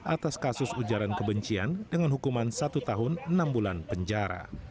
atas kasus ujaran kebencian dengan hukuman satu tahun enam bulan penjara